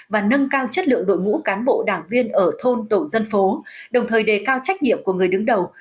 và nâng cao chất lượng đội ngũ cán bộ đảng viên ở thôn tổ dân phố đồng thời đề cao trách nhiệm của người đứng đầu